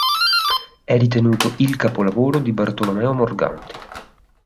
È ritenuto il capolavoro di Bartolomeo Morganti.